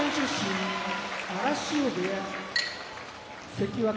関脇